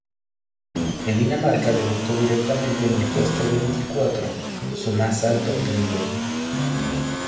En Dinamarca debutó directamente en el puesto veinticuatro, su más alto obtenido allí.